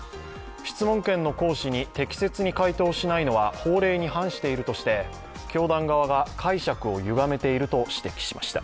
質問権の行使に適切に回答しないのは法令に反しているとして、教団側が解釈をゆがめていると指摘しました。